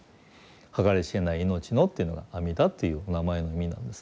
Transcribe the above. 「計り知れない命の」というのが阿弥陀という名前の意味なんですね。